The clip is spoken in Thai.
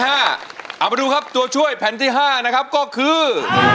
เอามาดูครับตัวช่วยแผ่นที่๕นะครับก็คือ